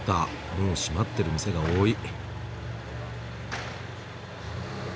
もう閉まってる店が多い。